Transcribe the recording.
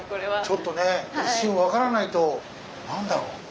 ちょっとね一瞬分からないと何だろう。